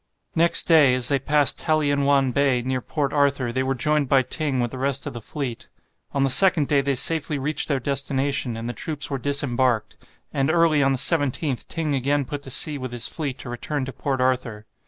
Next day, as they passed Talienwan Bay, near Port Arthur, they were joined by Ting with the rest of the fleet. On the second day they safely reached their destination, and the troops were disembarked. And early on the 17th Ting again put to sea with his fleet to return to Port Arthur.